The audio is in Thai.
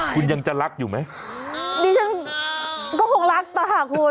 คุณยังจะรักอยู่ไหมยังก็คงรักต่อหากคุณ